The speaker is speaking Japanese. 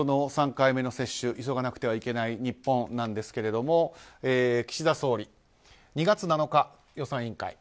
３回目の接種急がなくてはいけない日本なんですが、岸田総理は２月７日、予算委員会。